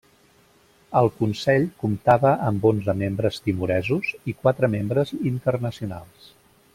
El Consell comptava amb onze membres timoresos i quatre membres internacionals.